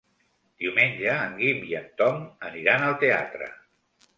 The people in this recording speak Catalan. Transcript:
Diumenge en Guim i en Tom aniran al teatre.